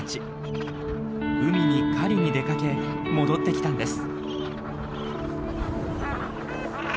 海に狩りに出かけ戻ってきたんです。